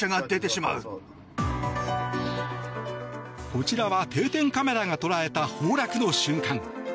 こちらは定点カメラが捉えた崩落の瞬間。